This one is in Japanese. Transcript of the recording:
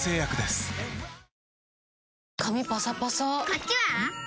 こっちは？